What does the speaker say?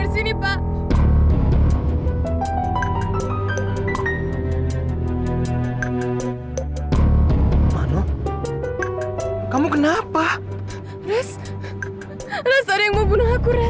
sampai ketemu lagi